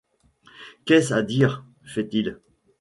Qu’est-ce à dire? feit-il.